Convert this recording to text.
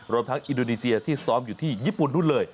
ทั้งอินโดนีเซียที่ซ้อมอยู่ที่ญี่ปุ่นนู่นเลย